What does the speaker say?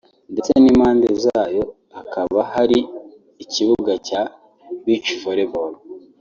ndetse n’impande zayo hakaba hari ikibuga cya Beachvolleyball